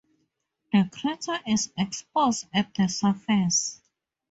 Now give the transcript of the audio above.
The crater is exposed at the surface.